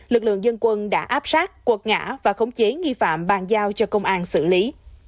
lực lượng dân quân đã áp sát quật ngã và khống chế nghi phạm bàn giao cho công an xử lý